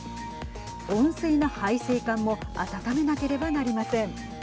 温水の配水管も温めなければなりません。